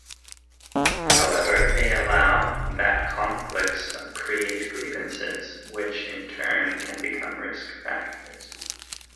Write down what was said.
However, they allow that conflicts create grievances, which in turn can become risk factors.